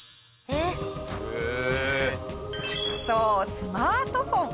下平：そう、スマートフォン。